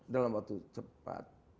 dalam waktu cepat